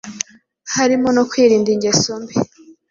harimo no kwirinda ingeso mbi